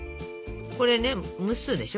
これね蒸すでしょ